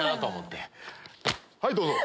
はいどうぞ！